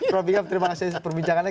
prof ikam terima kasih atas perbincangannya